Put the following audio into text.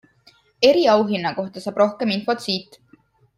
Eriauhinna kohta saab rohkem infot siit.